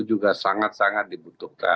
juga sangat sangat dibutuhkan